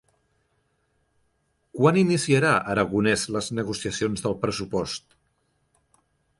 Quan iniciarà Aragonès les negociacions del pressupost?